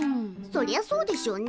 そりゃそうでしょうね。